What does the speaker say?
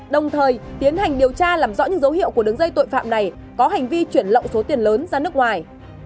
đồng thời tiến hành điều tra làm rõ những dấu hiệu của đứng dây tội phạm này có hành vi chuyển lộng số tiền lớn ra nước ngoài